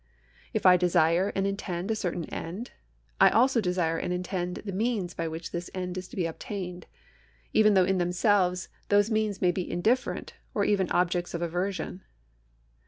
If I desire and intend a certain end, I also deske and intend the means by which this end is to be obtained, even though in themselves those means may be indifferent, or even objects of aversion.